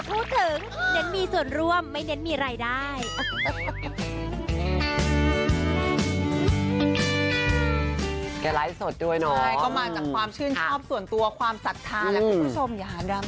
เพื่อนฝูงมากมาย